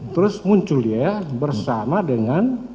terus muncul dia bersama dengan